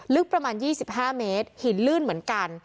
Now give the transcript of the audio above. ลึกประมาณ๒๕เมตรหินลื่นเหมือนกัน